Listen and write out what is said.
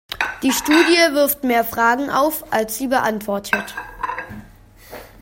Die Studie wirft mehr Fragen auf, als sie beantwortet.